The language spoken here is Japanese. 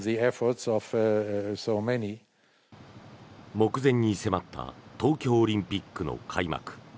目前に迫った東京オリンピックの開幕。